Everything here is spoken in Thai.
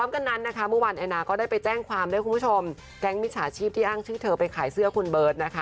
ขอบคุณผู้ชมแกรงมิจฉาชีพที่อ้างชื่อเธอไปขายเสื้อคุณเบิร์ตนะคะ